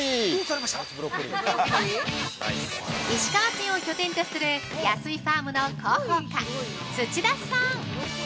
◆石川県を拠点とする安井ファームの広報課、土田さん。